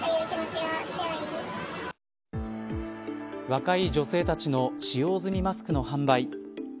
若い女性たちの使用済みマスクの販売。